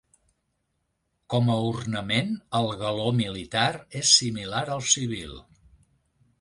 Com a ornament, el galó militar és similar al civil.